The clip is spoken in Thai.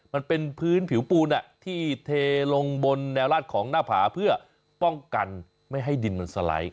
มันเป็นพื้นผิวปูนที่เทลงบนแนวลาดของหน้าผาเพื่อป้องกันไม่ให้ดินมันสไลด์